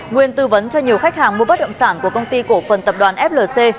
nguyên tư vấn cho nhiều khách hàng mua bất động sản của công ty cổ phần tập đoàn flc